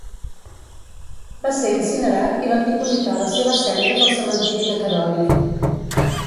Va ser incinerat i van dipositar les seves cendres al cementiri de Karori.